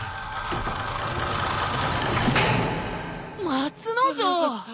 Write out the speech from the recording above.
松之丞！